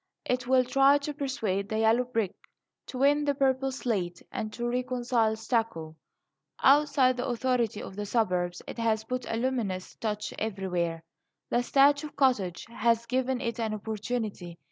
It will try to persuade the yellow brick, to win the purple slate, to reconcile stucco. Outside the authority of the suburbs it has put a luminous touch everywhere. The thatch of cottages has given it an opportunity.